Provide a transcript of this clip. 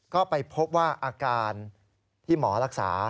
ก็ไปพบว่าอาการที่หมอรักษา